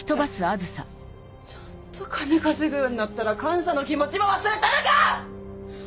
ちょっと金稼ぐようになったら感謝の気持ちも忘れたのか‼